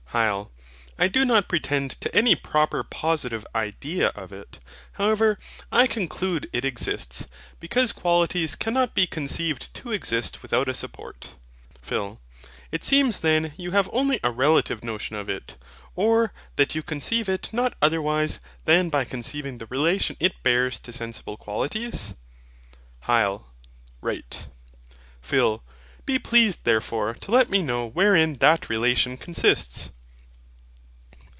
HYL. I do not pretend to any proper positive IDEA of it. However, I conclude it exists, because qualities cannot be conceived to exist without a support. PHIL. It seems then you have only a relative NOTION of it, or that you conceive it not otherwise than by conceiving the relation it bears to sensible qualities? HYL. Right. PHIL. Be pleased therefore to let me know wherein that relation consists.